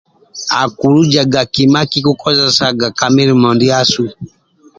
Akulujaga kima kikikojesaga ka milimo ndiasu